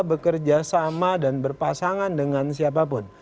bekerja sama dan berpasangan dengan siapapun